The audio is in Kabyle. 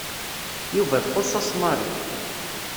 Yuba txuṣṣ-as Mary.